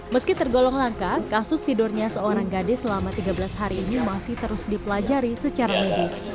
meski tergolong langka kasus tidurnya seorang gadis selama tiga belas hari ini masih terus dipelajari secara medis